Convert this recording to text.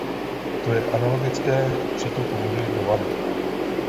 To je analogické k přítoku vody do vany.